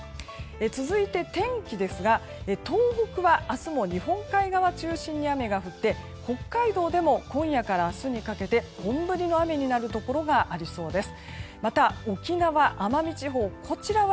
続いて天気ですが東北は明日も日本海側中心に雨が降って、北海道でも今夜から明日にかけて本降りの雨になるところがありそうです。